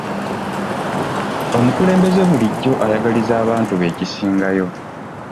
Omukulembeze bulijjo ayagaliza abantu be ekisingayo.